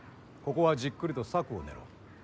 ここはじっくりと策を練ろう。